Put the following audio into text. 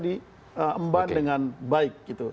diemban dengan baik